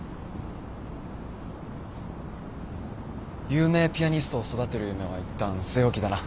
有名ピアニストを育てる夢はいったん据え置きだな。